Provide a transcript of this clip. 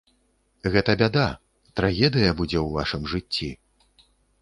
Гэта бяда, трагедыя будзе ў вашым жыцці.